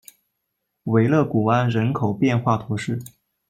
维勒古安人口变化图示